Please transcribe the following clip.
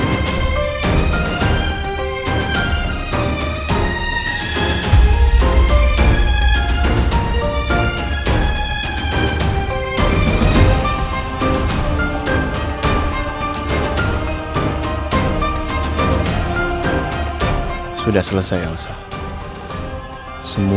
kenapa kalau saya kterocahkan itu